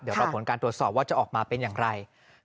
เดี๋ยวรอผลการตรวจสอบว่าจะออกมาเป็นอย่างไร